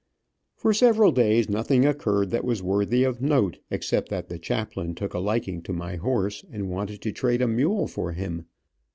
For several days nothing occurred that was worthy of note, except that the chaplain took a liking to my horse, and wanted to trade a mule for him.